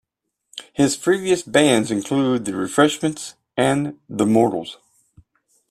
His previous bands include The Refreshments and the Mortals.